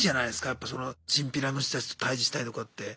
やっぱそのチンピラの人たちと対じしたりとかって。